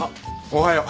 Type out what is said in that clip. おはよう。